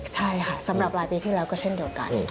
ใช่ค่ะสำหรับรายปีที่แล้วก็เช่นเดียวกัน